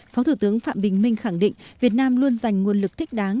phó thủ tướng phạm bình minh khẳng định việt nam luôn dành nguồn lực thích đáng